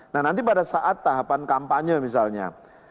nah nanti pada saat tahapan kampanye misalnya